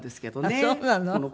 ああそうなの？